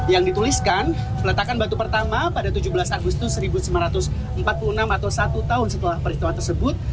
yang dituliskan peletakan batu pertama pada tujuh belas agustus seribu sembilan ratus empat puluh enam atau satu tahun setelah peristiwa tersebut